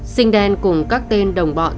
sinh đen cùng các tên đồng bọn